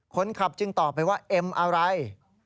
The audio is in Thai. คนขับจึงตอบไปว่าเอ็มอะไร